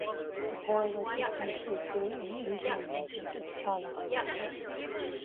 The parallel system to usul in Indian music is "tala".